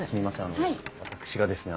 あの私がですね